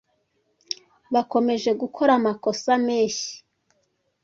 Ba komeje gukora amakosa meshyi